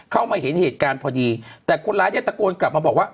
เข้ามาเห็นเหตุการณ์พอดีแต่คนร้ายได้ตะโกนกลับมาบอกว่า